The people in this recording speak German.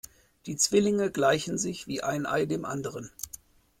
Die Zwillinge gleichen sich wie ein Ei dem anderen.